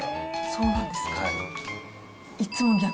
そうなんですか。